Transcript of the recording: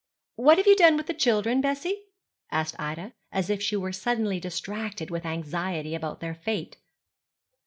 'What have you done with the children, Bessie?' asked Ida, as if she were suddenly distracted with anxiety about their fate.